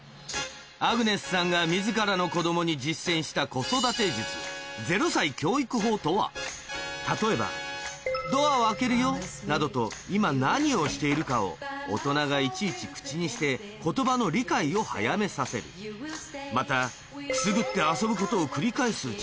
アグネスさんが自らの子供に実践した子育て術とは例えば「ドアを開けるよ」などと今何をしているかを大人がいちいち口にして言葉の理解を早めさせるまたくすぐって遊ぶことを繰り返すうち